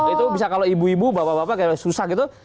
itu bisa kalau ibu ibu bapak bapak kayak susah gitu